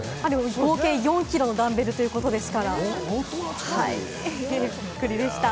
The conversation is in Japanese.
合計４キロのダンベルということですから、びっくりでした。